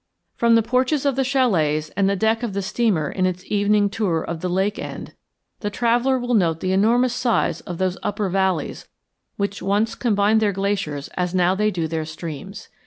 From the porches of the chalets and the deck of the steamer in its evening tour of the lake end the traveller will note the enormous size of those upper valleys which once combined their glaciers as now they do their streams.